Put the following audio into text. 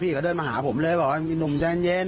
เขาเดินมาหาผมเลยบอกว่ามีหนุ่มใจเย็น